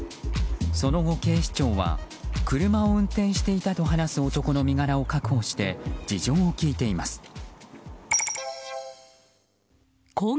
その後、警視庁は車を運転していたと話す男の身柄を確保して事情を聴いています。